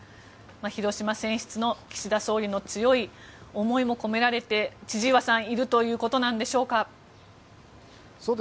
広島選出の岸田総理の強い思いも千々岩さん、込められているということなんでしょうか。